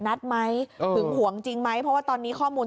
เพราะว่าที่พี่ไปดูมันเหมือนกับมันมีแค่๒รู